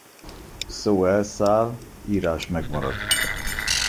Szó elszáll, írás megmarad.